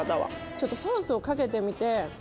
ちょっとソースをかけてみて。